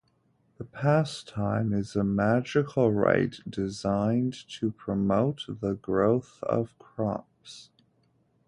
The pastime is a magical rite designed to promote the growth of crops.